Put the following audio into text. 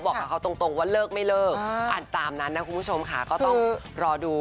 บอกกับเขาตรงว่าเลิกไม่เลิกอ่านตามนั้นนะคุณผู้ชมค่ะก็ต้องรอดู